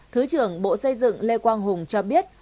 thứ trưởng bộ xây dựng lê quang hùng cho biết